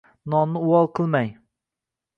Nonni uvol qilmang